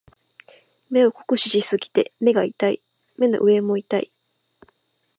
目を酷使しすぎて目が痛い。目の上も痛い。